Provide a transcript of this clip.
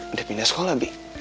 udah pindah sekolah bi